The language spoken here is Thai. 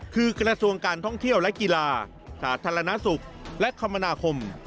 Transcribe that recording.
คือกระทรวงการท่องเที่ยวและกีฬาสาธารณสุขและคมนาคม